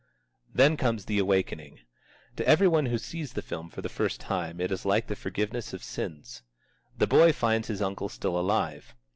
Then comes the awakening. To every one who sees the film for the first time it is like the forgiveness of sins. The boy finds his uncle still alive.